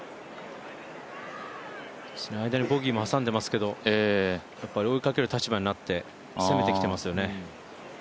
間にボギーも挟んでますけどやっぱり追いかける立場になって攻めてきてますよね。